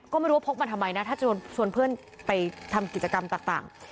ก็ไม่รู้ว่าพกมาทำไมนะถ้าจะชวนเพื่อนไปทำกิจกรรมต่าง